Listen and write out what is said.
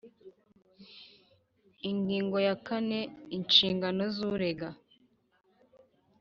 Ingingo ya kane Inshingano z urega